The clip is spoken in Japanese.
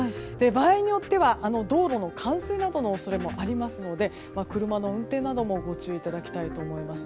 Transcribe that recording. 場合によっては道路の冠水などもありますので車の運転などもご注意いただきたいと思います。